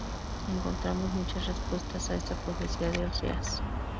Encontramos muchas respuestas a esta profecía de Oseas.